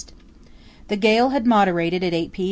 The gale had moderated at 8 p.